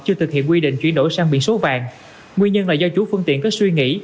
chưa thực hiện quy định chuyển đổi sang biển số vàng nguyên nhân là do chủ phương tiện có suy nghĩ